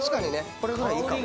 これぐらいいいかも。